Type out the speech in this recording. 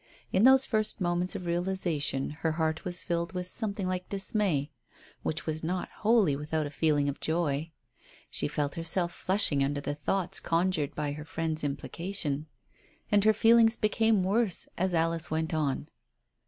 In those first moments of realization her heart was filled with something like dismay which was not wholly without a feeling of joy. She felt herself flushing under the thoughts conjured by her friend's implication, and her feelings became worse as Alice went on.